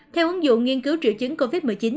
theo ứng dụng nghiên cứu triệu chứng covid một mươi chín